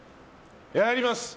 やります。